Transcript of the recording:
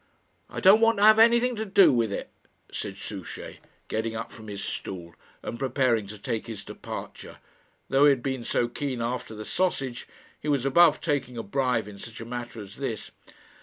"I don't want to have anything to do with it," said Souchey, getting up from his stool and preparing to take his departure. Though he had been so keen after the sausage, he was above taking a bribe in such a matter as this.